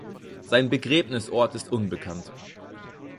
Sein Begräbnisort ist unbekannt.